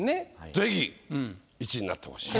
ぜひ１位になってほしい。